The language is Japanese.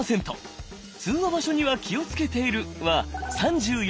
「通話場所には気をつけている」は３４％。